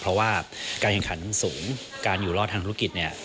เพราะว่าการแข่งขันสูงการอยู่รอดทางธุรกิจเนี่ย